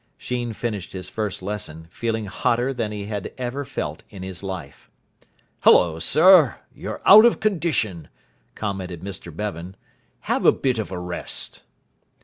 Sheen finished his first lesson, feeling hotter than he had ever felt in his life. "Hullo, sir, you're out of condition," commented Mr Bevan. "Have a bit of a rest."